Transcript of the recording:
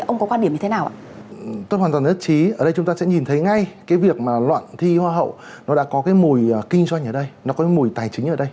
nó có mùi kinh doanh ở đây nó có mùi tài chính ở đây